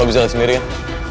bisa lihat sendiri kan